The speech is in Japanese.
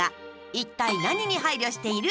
一体何に配慮している？